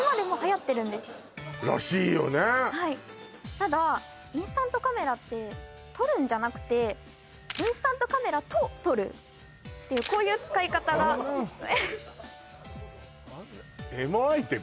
ただインスタントカメラって撮るんじゃなくてインスタントカメラと撮るっていうこういう使い方がエモアイテム？